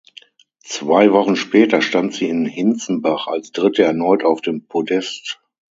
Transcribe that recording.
Zwei Wochen später stand sie in Hinzenbach als Dritte erneut auf dem Podest.